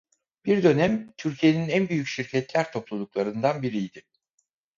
Bir dönem Türkiye'nin en büyük şirketler topluluklarından biriydi.